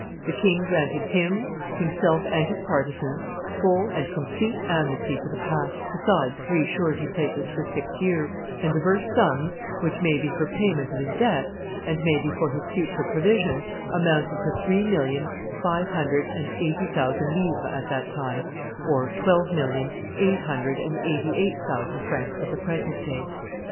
The king granted him, himself and his partisans, full and complete amnesty for the past, besides three surety places for six years, and divers sums, which, may be for payment of his debts, and may be for his future provision, amounted to three million five hundred and eighty thousand livres at that time (twelve million eight hundred and eighty eight thousand francs of the present day).